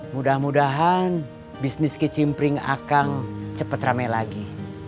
mudah mudahan bisnis kecimpring akan cepat rame lagi